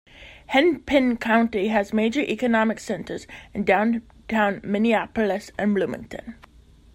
Hennepin County has major economic centers in downtown Minneapolis and Bloomington.